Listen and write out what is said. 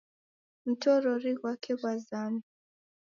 Mtorori ghwake ghwazama